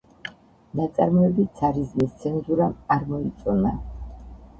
ნაწარმოები ცარიზმის ცენზურამ არ მოიწონა.